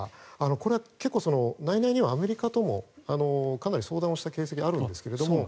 これ結構、内々にはアメリカともかなり相談をした形跡があるんですけれども。